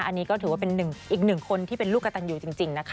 อันนี้ก็ถือว่าเป็นอีกหนึ่งคนที่เป็นลูกกระตันอยู่จริงนะคะ